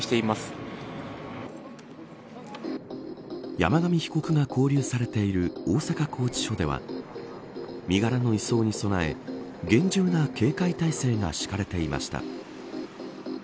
山上被告が勾留されている大阪拘置所では身柄の移送に備え厳重な警戒態勢が敷かれていました。